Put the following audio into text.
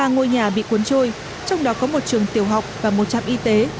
ba ngôi nhà bị cuốn trôi trong đó có một trường tiểu học và một trạm y tế